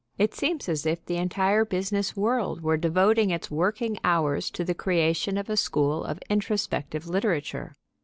It seems as if the entire business world were devoting its working hours to the creation of a school of introspective literature.